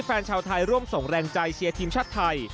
แฟนชาวไทยร่วมส่งแรงใจเชียร์ทีมชาติไทย